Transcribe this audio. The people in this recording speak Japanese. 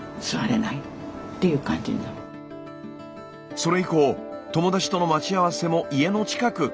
それ以降友達との待ち合わせも家の近く。